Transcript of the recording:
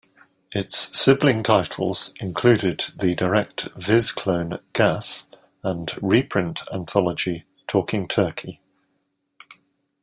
Its sibling titles included the direct "Viz" clone "Gas" and reprint anthology "Talking Turkey".